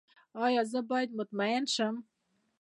ایا زه باید مطمئن شم؟